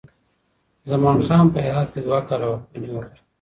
زمان خان په هرات کې دوه کاله واکمني وکړه.